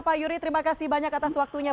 pak yuri terima kasih banyak atas waktunya